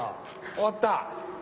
終わった？